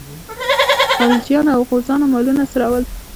خلجیانو او غوزانو مالونه څرول.